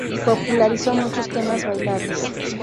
Popularizó muchos temas bailables.